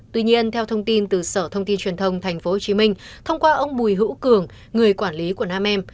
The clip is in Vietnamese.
tuy nhiên theo thông tin từ sở thông tin truyền thông tp hcm thông qua ông bùi hữu cường người quản lý của nam em